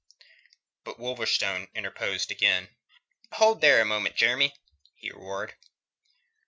But Wolverstone interposed again. "Hold there a moment, Jeremy!" he roared.